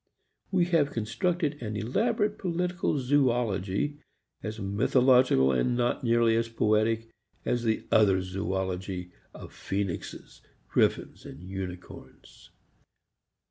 We have constructed an elaborate political zoology as mythological and not nearly as poetic as the other zoology of phoenixes, griffins and unicorns.